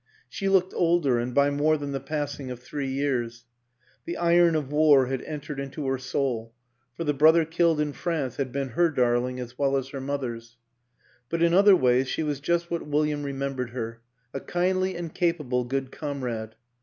She looked older, and by more than the passing of three years ; the iron of war had entered into her soul, for the brother killed in France had been her darling as well as her mother's; but in other ways she was just what William remembered her, a kindly and capable good comrade.